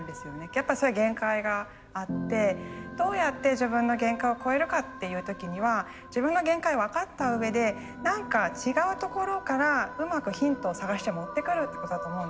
やっぱそれ限界があってどうやって自分の限界を超えるかっていう時には自分の限界を分かったうえで何か違うところからうまくヒントを探して持ってくるってことだと思うんです。